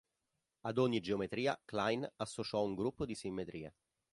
Ad ogni geometria Klein associò un gruppo di simmetrie.